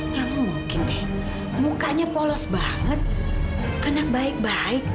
ya mungkin deh mukanya polos banget anak baik baik